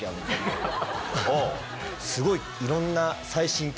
すごいいろんな。